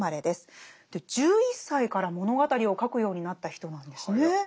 で１１歳から物語を書くようになった人なんですね。